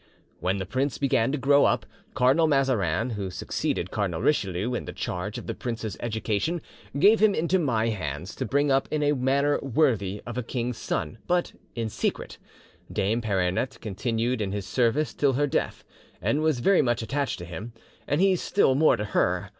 "'When the prince began to grow up, Cardinal Mazarin, who succeeded Cardinal Richelieu in the charge of the prince's education, gave him into my hands to bring up in a manner worthy of a king's son, but in secret. Dame Peronete continued in his service till her death, and was very much attached to him, and he still more to her.